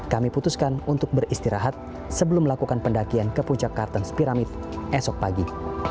kami putuskan untuk beristirahat sebelum melakukan pendakian ke puncak kartens piramid esok pagi